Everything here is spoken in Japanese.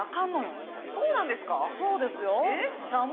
そうですよ。え！